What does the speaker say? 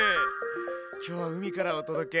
今日は海からお届け。